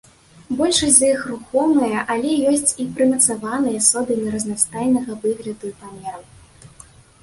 Большасць з іх рухомыя, але ёсць і прымацаваныя асобіны разнастайнага выгляду і памераў.